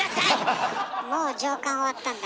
もう上巻終わったんだ。